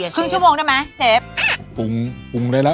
ครึ่งชั่วโมงได้ไหมเชฟ